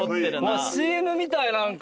ＣＭみたい何か。